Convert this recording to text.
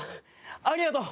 ありがとう！